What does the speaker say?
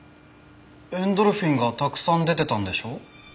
エンドルフィンがたくさん出てたんでしょ？